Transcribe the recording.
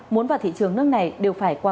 muốn vào thị trường nước này đều phải qua